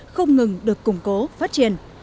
không ngừng được củng cố phát triển